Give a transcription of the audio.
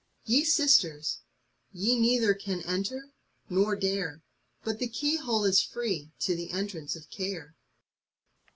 CARE. Ye Sisters, ye neither can enter, nor dare ; But the keyhole is free to the entrance of Care.